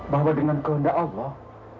bahwa dengan kehendak allah